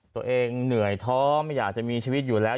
เหนื่อยท้อไม่อยากจะมีชีวิตอยู่แล้ว